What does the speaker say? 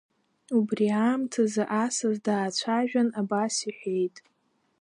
Убри аамҭазы асас даацәажәан абас иҳәеит…